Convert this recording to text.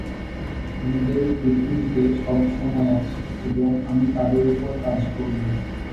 আমাদের পৃথিবীতে সব সময় আছে, এবং আমি তাদের উপর কাজ করব।